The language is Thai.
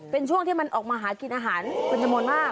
เป็นช่วงที่มันออกมาหากินอาหารเป็นจำนวนมาก